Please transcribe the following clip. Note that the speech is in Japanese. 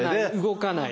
動かない。